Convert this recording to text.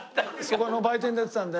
そこの売店で売ってたので。